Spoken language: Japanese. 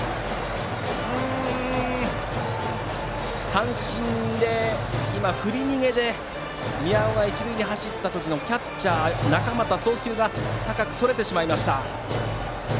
三振、振り逃げで宮尾が一塁に走った時のキャッチャー、中俣送球が高くそれてしまいました。